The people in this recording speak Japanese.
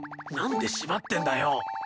何で縛ってんだよ。